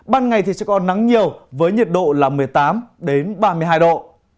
ban ngày thì sẽ có nắng nhiều với nhiệt độ là một mươi tám ba mươi hai độ